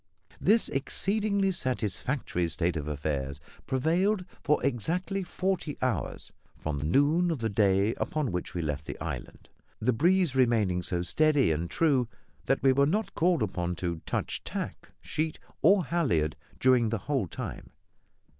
This exceedingly satisfactory state of affairs prevailed for exactly forty hours from noon of the day upon which we left the island; the breeze remaining so steady and true that we were not called upon to touch tack, sheet, or halliard during the whole time.